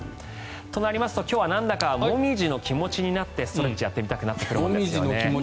となりますと今日はなんだかモミジの気持ちになってストレッチやってみたくなりますよね。